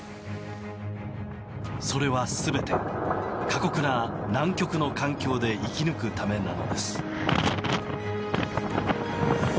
それは全て、過酷な南極の環境で生き抜くためなんです。